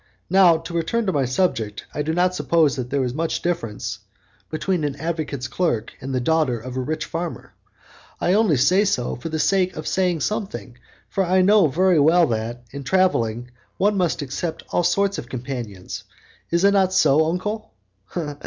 Now, to return to my subject, I do not suppose that there is much difference between an advocate's clerk and the daughter of a rich farmer. I only say so for the sake of saying something, for I know very well that, in travelling, one must accept all sorts of companions: is it not so, uncle?"